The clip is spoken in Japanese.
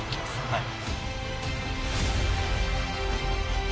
はい。